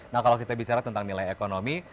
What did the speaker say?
nah kalau kita bicara tentang nilai ekonomi